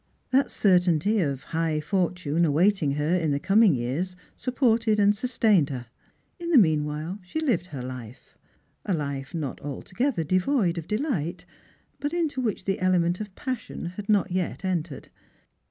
That certainty of high fortune awaiting her in the coming years supported and sustained her. In the meanwhile she lived her life — a life not altogether devoid of delight, but into which the element of passion had not yet entered.